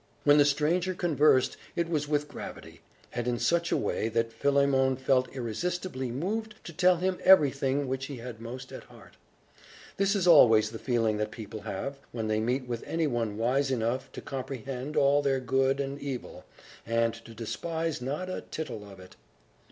When the stranger conversed, it was with gravity, and in such a way that Philemon felt irresistibly moved to tell him everything which he had most at heart. This is always the feeling that people have, when they meet with anyone wise enough to comprehend all their good and evil, and to despise not a tittle of it.